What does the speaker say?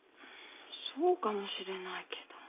そうかもしれないけど。